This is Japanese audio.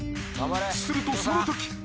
［するとそのとき］